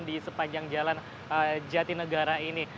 di sepanjang jalan jatinegara ini